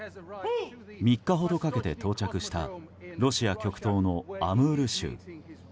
３日ほどかけて到着したロシア極東のアムール州。